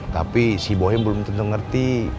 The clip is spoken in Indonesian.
tapi si bohim belum tentu ngerti